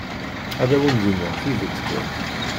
Ad awen-d-iniɣ tidet kan.